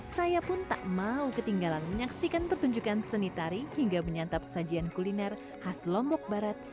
saya pun tak mau ketinggalan menyaksikan pertunjukan seni tari hingga menyantap sajian kuliner khas lombok barat